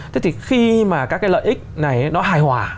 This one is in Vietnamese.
thế thì khi mà các cái lợi ích này nó hài hòa